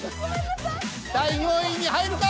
第４位に入るか！？